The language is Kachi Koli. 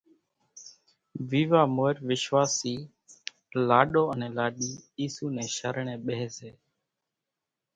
ويوا مورِ وِشواشِي لاڏو انين لاڏِي اِيسُو نين شرڻين ٻيۿيَ سي۔